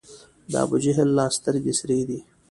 د ابوجهل لا سترګي سرې دي